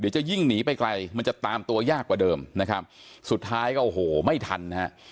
จะยิ่งหนีไปไกลมันจะตามตัวยากกว่าเดิมนะครับสุดท้ายก็โอ้โหไม่ทันนะฮะ